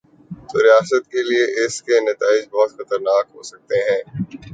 توریاست کے لیے اس کے نتائج بہت خطرناک ہو سکتے ہیں۔